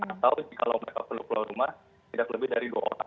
atau kalau mereka perlu keluar rumah tidak lebih dari dua orang